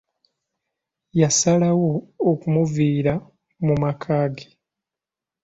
Yasalawo okumuviira mu maka ge.